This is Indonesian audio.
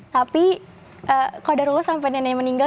tapi kodar dulu sampai nenek meninggal